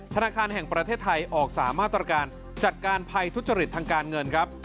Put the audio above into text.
ธนาคารแห่งประเทศไทยออก๓มาตรการจัดการภัยทุจริตทางการเงินครับ